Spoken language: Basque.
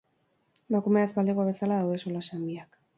Emakumea ez balego bezala daude solasean biak.